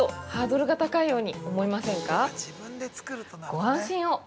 ご安心を！